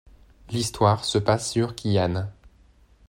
L'histoire se passe sur Quillan.